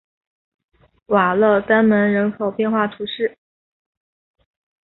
瓦勒丹门人口变化图示